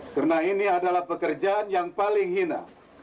karena ini adalah pekerjaan yang paling hina